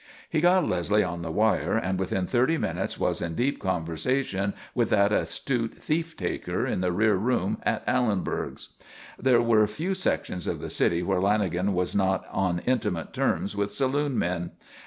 He got Leslie on the wire, and within thirty minutes was in deep conversation with that astute thief taker in the rear room at Allenberg's. There were few sections of the city where Lanagan was not on intimate terms with saloonmen.